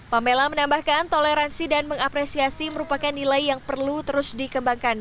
pamela menambahkan toleransi dan mengapresiasi merupakan nilai yang perlu terus dikembangkan